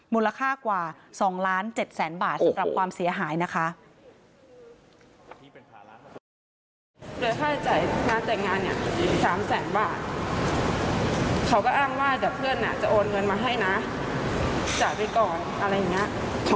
มูลค่ากว่า๒ล้าน๗แสนบาทสำหรับความเสียหายนะคะ